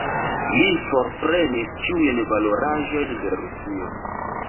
Ili forprenis ĉiujn valoraĵojn de Rusio.